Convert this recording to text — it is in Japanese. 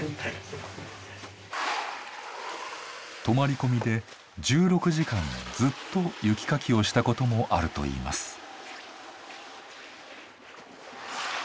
泊まり込みで１６時間ずっと雪かきをしたこともあるといいます。